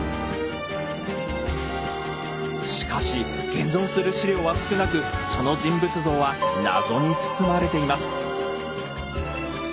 しかし現存する史料は少なくその人物像は謎に包まれています。